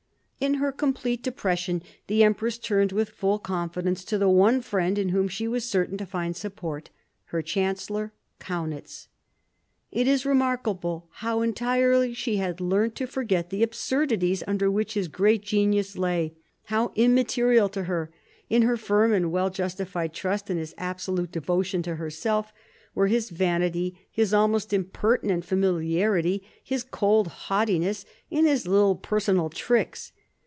In her complete depression the empress turned with full confidence to the one friend in whom she was certain to find support, her chancellor Kaunitz. It is remark able how entirely she had learnt to forget the absurdities under which his great genius lay; how immaterial to her, in her firm and well justified trust in his absolute devotion to herself, were his vanity, his almost impertinent familiarity, his cold haughtiness, and his little personal tricks.